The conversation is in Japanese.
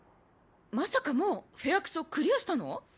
まさかもう「フェアクソ」クリアしたの？